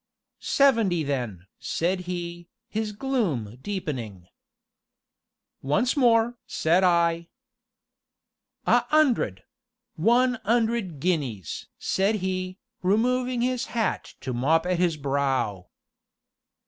"Seventy then!" said he, his gloom deepening. "Once more!" said I. "A 'undred one 'undred guineas!" said he, removing his hat to mop at his brow.